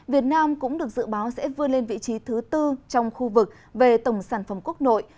việt nam cũng được dự báo sẽ vươn lên vị trí thứ tư trong khu vực về tổng sản phẩm quốc nội